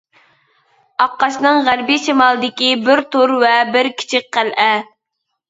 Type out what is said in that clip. ئاققاشنىڭ غەربى شىمالىدىكى بىر «تۇر» ۋە بىر كىچىك قەلئە.